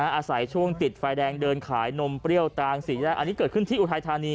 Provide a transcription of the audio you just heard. อาศัยช่วงติดไฟแดงเดินขายนมเปรี้ยวตามสี่แยกอันนี้เกิดขึ้นที่อุทัยธานี